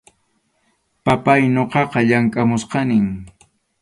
Papáy, ñuqaqa llamkʼamuchkanim.